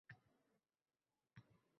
Аziza kampirni yana ishga soldi.